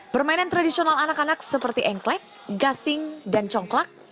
permainan tradisional anak anak seperti engklek gasing dan congklak